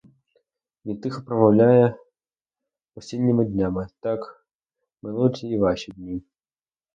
Він тихо промовляє осінніми днями: так минуть і ваші дні.